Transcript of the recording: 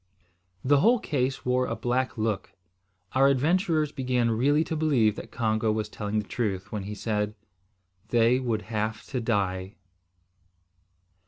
The whole case wore a black look. Our adventurers began really to believe that Congo was telling the truth, when he said, they would have to die!